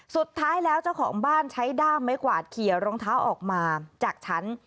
สุดท้ายแล้วเจ้าของบ้านใช้ด้ามไม้กวาดเขียรองเท้าออกมาจากชั้น